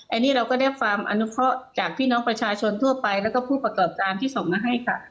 อันนี้เราก็ได้ฟังอนุเคราะห์จากพี่น้องประชาชนทั่วไปแล้วก็ผู้ประกอบการที่ส่งมาให้ค่ะ